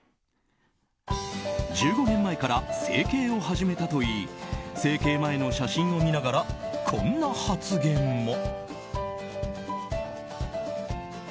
１５年前から整形を始めたといい整形前の写真を見ながらこんな発言も。